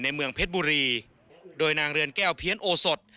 เมืองเพชรบุรีโดยนางเรือนแก้วเพี้ยนโอสด